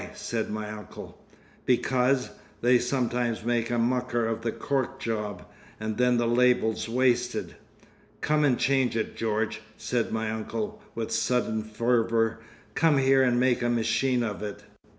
said my uncle. "Because—they sometimes make a mucker of the cork job, and then the label's wasted." "Come and change it, George," said my uncle, with sudden fervour "Come here and make a machine of it.